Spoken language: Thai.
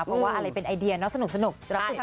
เพราะว่าอะไรเป็นไอเดียเนาะสนุกรับสุดที่